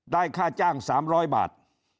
ค่าจ้าง๓๐๐บาท